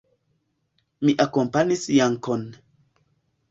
Mi akompanis Jankon.